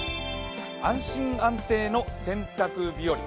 安心安定の洗濯日和。